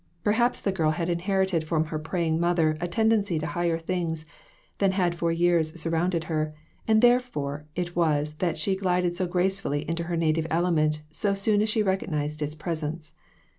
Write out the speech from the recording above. Perhaps the girl had inherited from her praying mother a tendency to higher things than had for years sur rounded her, and therefore it was that she glided so gracefully into her native element so soon as she recognized its presence.